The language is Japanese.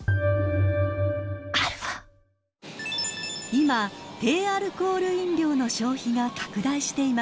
［今低アルコール飲料の消費が拡大しています］